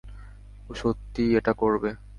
ও সত্যিই এটা করবে!